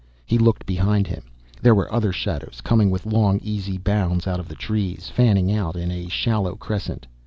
He looked behind him. There were other shadows, coming with long easy bounds out of the trees, fanning out in a shallow crescent.